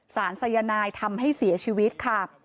สายนายทำให้เสียชีวิตค่ะ